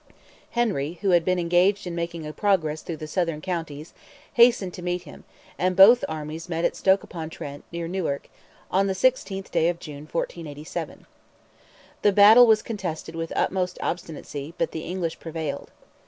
Henry, who had been engaged in making a progress through the southern counties, hastened to meet him, and both armies met at Stoke upon Trent, near Newark, on the 16th day of June, 1487. The battle was contested with the utmost obstinacy, but the English prevailed.